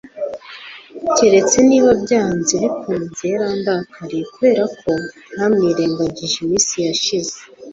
keretse niba byanze bikunze yarandakariye kubera ko ntamwirengagije iminsi yashize